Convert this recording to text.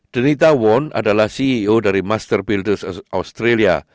denita wong adalah ceo dari master builders australia